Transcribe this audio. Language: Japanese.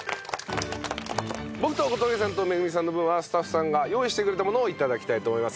僕と小峠さんとめぐみさんの分はスタッフが用意してくれたものを頂きたいと思います。